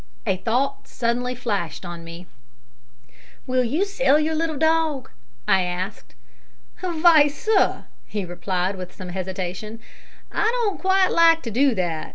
A thought suddenly flashed on me: "Will you sell your little dog?" I asked. "Vy, sir," he replied, with some hesitation, "I don't quite like to do that.